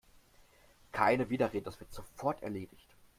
Keine Widerrede, das wird sofort erledigt!